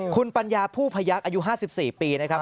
คุณปัญญาผู้พยักษ์อายุ๕๔ปีนะครับ